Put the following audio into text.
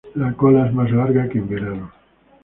La cola es más larga que en verano.